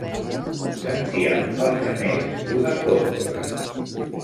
Sentíem els gemecs d'una tórtora.